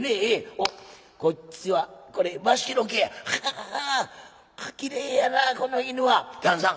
おっこっちはこれ真っ白けや。はあきれいやなこの犬は。旦さん